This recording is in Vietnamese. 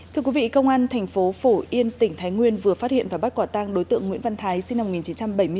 thưa quý vị công an thành phố phổ yên tỉnh thái nguyên vừa phát hiện và bắt quả tang đối tượng nguyễn văn thái sinh năm một nghìn chín trăm bảy mươi bốn